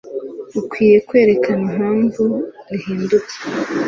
ukwiye kwerekana impamvu rihindutse